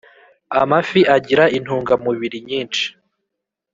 amafi agira intungamubiri nyinshi.